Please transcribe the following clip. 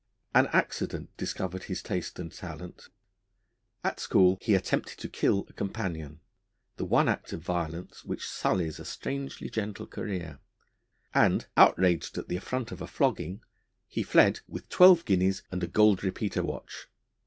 An accident discovered his taste and talent. At school he attempted to kill a companion the one act of violence which sullies a strangely gentle career; and outraged at the affront of a flogging, he fled with twelve guineas and a gold repeater watch.